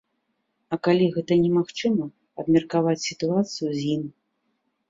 А калі гэта немагчыма, абмеркаваць сітуацыю з ім.